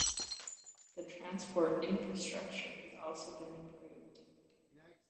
The transport infrastructure has also been improved.